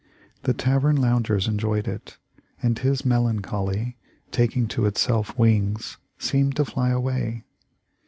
The tavern loungers enjoyed it, and his melancholy, taking to itself wings, seemed to fly away.